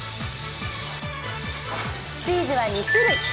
チーズは２種類。